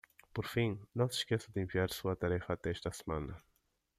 Por fim,? não se esqueça de enviar sua tarefa até esta semana.